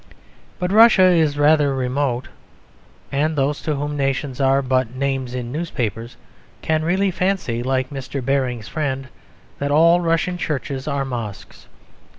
But Russia is rather remote; and those to whom nations are but names in newspapers can really fancy, like Mr. Baring's friend, that all Russian churches are "mosques."